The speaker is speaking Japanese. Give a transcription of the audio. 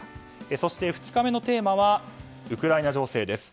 そして２日目のテーマはウクライナ情勢です。